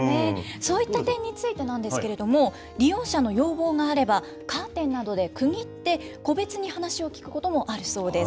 そういった点についてなんですけれども、利用者の要望があれば、カーテンなどで区切って、個別に話を聞くこともあるそうです。